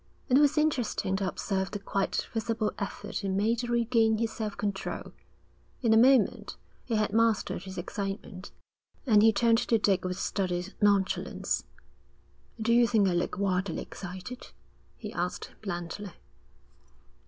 It was interesting to observe the quite visible effort he made to regain his self control. In a moment he had mastered his excitement, and he turned to Dick with studied nonchalance. 'Do you think I look wildly excited?' he asked blandly.